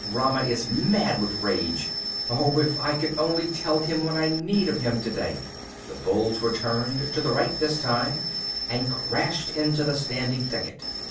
Rama is mad with rage. Oh, if I could only tell him what I need of him to day." The bulls were turned, to the right this time, and crashed into the standing thicket.